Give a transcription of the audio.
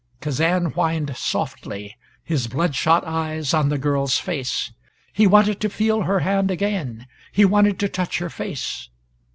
Kazan whined softly, his bloodshot eyes on the girl's face. He wanted to feel her hand again; he wanted to touch her face.